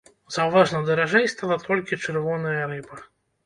Заўважна даражэй стала толькі чырвоная рыба.